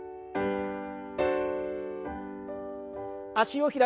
脚を開きます。